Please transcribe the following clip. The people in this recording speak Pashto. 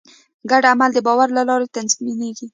ګډ عمل د باور له لارې تنظیمېږي.